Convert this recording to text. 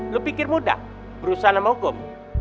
lu pikir mudah berurusan sama hukum